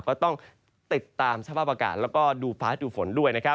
ก็ต้องติดตามสภาพประกาศและดูฟ้าจูบฝนด้วย